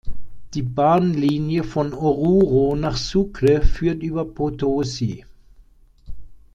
Die Bahnlinie von Oruro nach Sucre führt über Potosí.